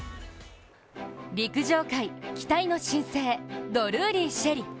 陸上界期待の新星、ドルーリー朱瑛里。